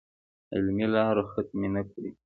علمي لارو ختمې نه کړو.